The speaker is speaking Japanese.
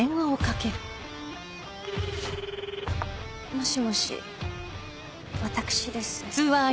もしもし私です。